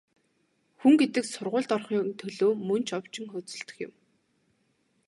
Хүн гэдэг сургуульд орохын төлөө мөн ч овжин хөөцөлдөх юм.